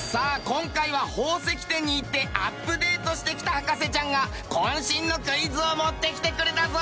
今回は宝石展に行ってアップデートしてきた博士ちゃんが渾身のクイズを持ってきてくれたぞ！